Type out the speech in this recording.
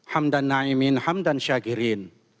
hamdan naimin hamdan syagirin